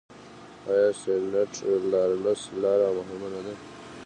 آیا سینټ لارنس لاره مهمه نه ده؟